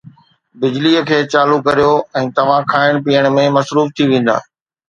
بجليءَ کي چالو ڪريو ۽ توهان کائڻ پيئڻ ۾ مصروف ٿي ويندا